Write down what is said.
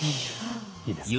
いいですか？